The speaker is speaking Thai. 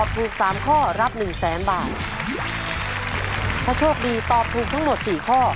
ถ้าโชคดีตอบถูกทั้งหมด๔ข้อ